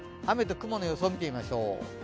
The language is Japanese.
雨と雲の予想見てみましょう。